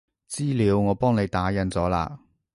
資料我幫你打印咗喇